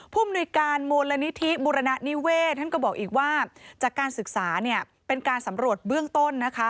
มนุยการมูลนิธิบุรณนิเวศท่านก็บอกอีกว่าจากการศึกษาเป็นการสำรวจเบื้องต้นนะคะ